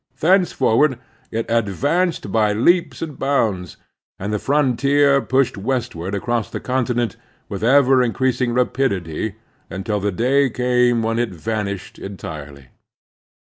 Thenceforward it advanced by leaps and botmds, and the frontier pushed westward across the continent with ever increasing rapidity until the day came when it vanished entirely.